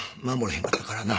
へんかったからな。